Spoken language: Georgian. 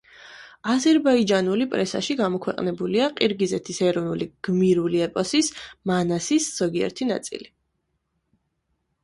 აზერბაიჯანული პრესაში გამოქვეყნებულია ყირგიზეთის ეროვნული გმირული ეპოსის „მანასის“ ზოგიერთი ნაწილი.